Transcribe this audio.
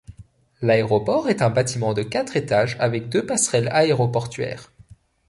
L'aéroport est un bâtiment de quatre étages avec deux passerelles aéroportuaires.